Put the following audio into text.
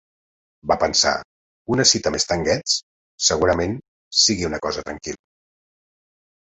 Va pensar: "una cita amb Stan Getz... Segurament sigui una cosa tranquil·la".